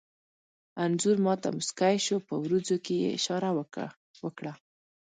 انځور ما ته موسکی شو، په وروځو کې یې اشاره وکړه.